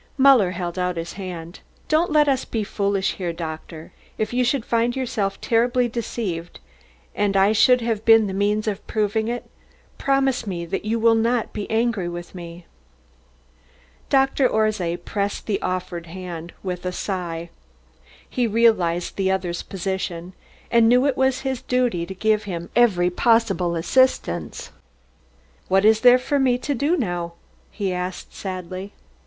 Muller held out his hand. "Don't let us be foolish, doctor. If you should find yourself terribly deceived, and I should have been the means of proving it, promise me that you will not be angry with me." Orszay pressed the offered hand with a deep sigh. He realised the other's position and knew it was his duty to give him every possible assistance. "What is there for me to do now?" he asked sadly.